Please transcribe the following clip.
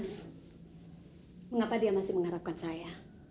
terus mengapa dia masih mengharapkan saya